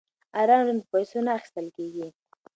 ارام ژوند په پیسو نه اخیستل کېږي.